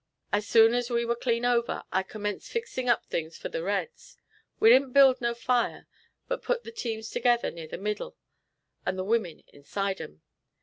As soon as we war clean over, I commenced fixing up things fur the reds. We didn't build no fire, but put the teams together near the middle, and the women inside 'em.